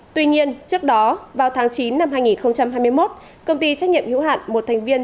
tuy nhiên trước đó vào tháng chín năm hai nghìn hai mươi một công ty trách nhiệm hữu hạn một thành viên